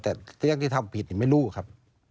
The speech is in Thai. แต่เรื่องที่ทำผิดไม่รู้ครับ